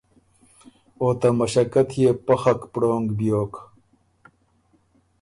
او ته مݭقت يې پخک پړونګ بیوک۔